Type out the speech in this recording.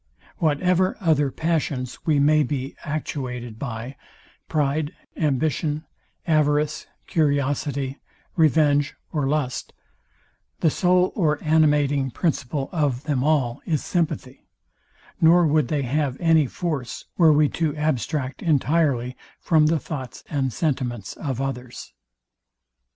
Whatever other passions we may be actuated by; pride, ambition, avarice, curiosity, revenge or lust; the soul or animating principle of them all is sympathy; nor would they have any force, were we to abstract entirely from the thoughts and sentiments of others.